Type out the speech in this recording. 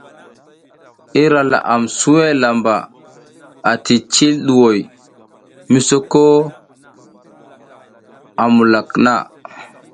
Ira laʼam suwe lamba ati cil ɗuhoy misoko a mukak na.